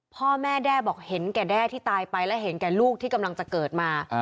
พ่อแม่แด้บอกเห็นแก่แด้ที่ตายไปแล้วเห็นแก่ลูกที่กำลังจะเกิดมา